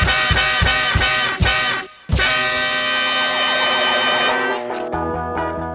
ด้วยแปงแอลเล็กทรัมมาเฟอร์ซ่อมเกอร์กับกัน